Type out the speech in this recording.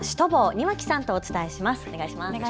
庭木さんとお伝えします。